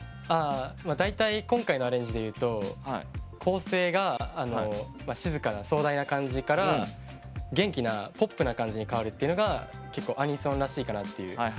大体今回のアレンジで言うと構成が静かな、壮大な感じから元気なポップな感じに変わるっていうのが結構、アニソンらしいかなと。